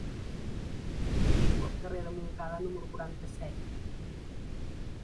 Qui viu al carrer de Montcada número quaranta-set?